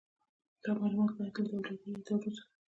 دا معلومات باید له دولتي ادارو څخه وي.